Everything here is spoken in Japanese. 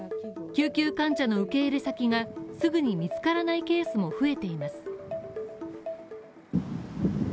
救急患者の受け入れ先がすぐに見つからないケースも増えています。